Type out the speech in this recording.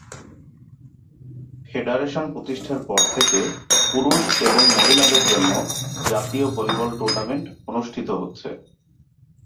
Federation প্রতিষ্ঠার পর থেকে পুরুষ এবং মহিলাদের জন্য জাতীয় ভলিবল টুর্নামেন্ট অনুষ্ঠিত হচ্ছে।